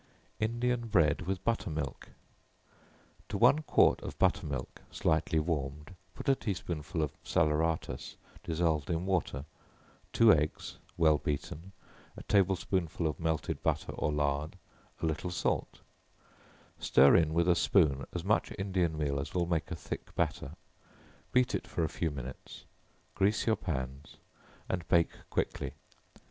Indian Bread with Butter milk. To one quart of butter milk, slightly warmed, put a tea spoonful of salaeratus, dissolved in water, two eggs, well beaten, a table spoonful of melted butter or lard, a little salt; stir in with a spoon as much Indian meal as will make a thick batter; beat it for a few minutes, grease your pans, and bake quickly.